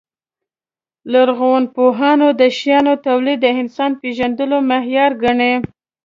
لرغونپوهان د شیانو تولید د انسان پېژندلو معیار ګڼي.